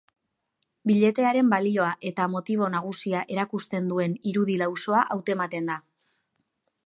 Billetearen balioa eta motibo nagusia erakusten duen irudi lausoa hautematen da.